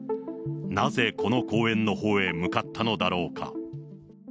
なぜこの公園のほうへ向かったのだろうか。